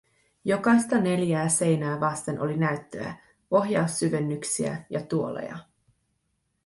Jokaista neljää seinää vasten oli näyttöjä, ohjaussyvennyksiä ja tuoleja.